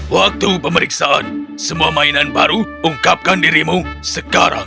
waktu pemeriksaan semua mainan baru ungkapkan dirimu sekarang